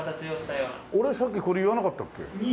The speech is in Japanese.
俺さっきこれ言わなかったっけ？